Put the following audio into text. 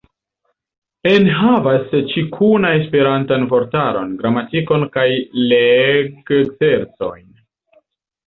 Enhavas ĉinuka-esperantan vortaron, gramatikon kaj leg-ekzercojn.